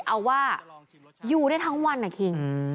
เอาว่าอยู่ได้ทั้งวันนะคิง